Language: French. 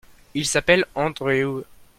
Il s'appelle Andrew.